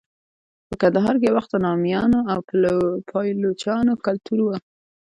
په کندهار کې یو وخت د نامیانو او پایلوچانو کلتور و.